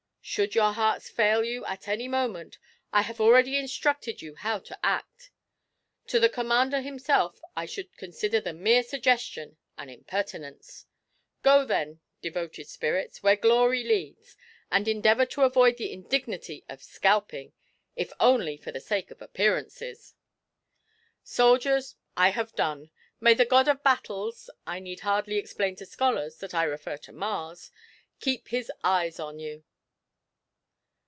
Should your hearts fail you at any moment, I have already instructed you how to act. To the Commander himself I should consider the mere suggestion an impertinence. Go, then, devoted spirits, where Glory leads, and endeavour to avoid the indignity of scalping if only for the sake of appearances. Soldiers, I have done. May the God of Battles (I need hardly explain to scholars that I refer to Mars) keep his eye on you!'